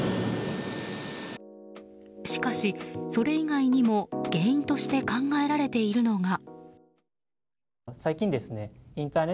しかし、それ以外にも原因として考えられているのが。